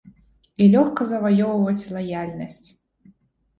І лёгка заваёўваць лаяльнасць.